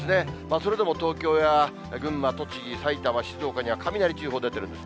それでも東京や群馬、栃木、埼玉、静岡には雷注意報出てるんです。